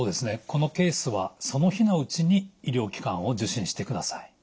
このケースはその日のうちに医療機関を受診してください。